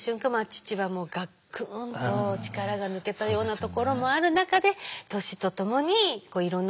父はガックンと力が抜けたようなところもある中で年とともにいろんなところにねっ